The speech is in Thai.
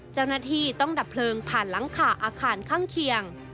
เจ้าหน้าที่ต้องดับเพลิงผ่านหลังคาอาคารข้างเคียง